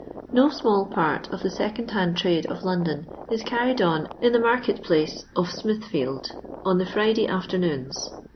No nnall part of the second hand trade of Lon don is carried on in the market place of Smithfield, on the Friday afternoons.